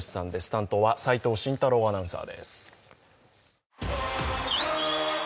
担当は齋藤慎太郎アナウンサーです。